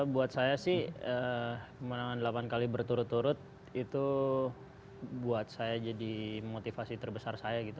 buat saya sih kemenangan delapan kali berturut turut itu buat saya jadi motivasi terbesar saya gitu